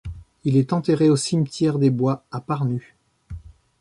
Il est enterré au cimetière des Bois à Pärnu.